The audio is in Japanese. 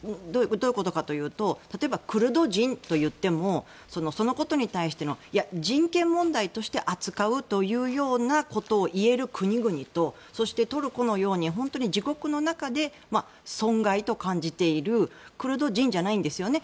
どういうことかというとクルド人といってもそのことに対して人権問題として扱うというようなことを言える国々とそしてトルコのように自国の中で損害と感じているクルド人じゃないんですよね